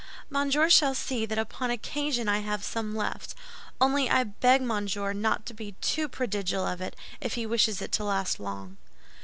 "Monsieur shall see that upon occasion I have some left; only I beg Monsieur not to be too prodigal of it if he wishes it to last long."